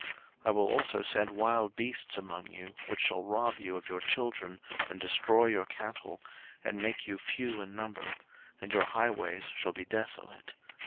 03:026:022 I will also send wild beasts among you, which shall rob you of your children, and destroy your cattle, and make you few in number; and your high ways shall be desolate.